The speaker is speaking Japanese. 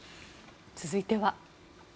続いては。